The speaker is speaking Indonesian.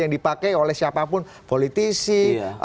yang dipakai oleh siapapun politisi